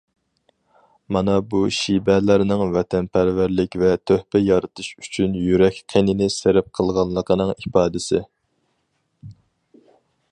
مانا بۇ شىبەلەرنىڭ ۋەتەنپەرۋەرلىك ۋە تۆھپە يارىتىش ئۈچۈن يۈرەك قېنىنى سەرپ قىلغانلىقىنىڭ ئىپادىسى.